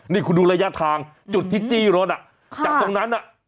นี่คุณดูระยะทางจุดที่จี้รถจากตรงนั้น